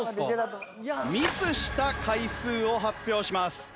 ミスした回数を発表します。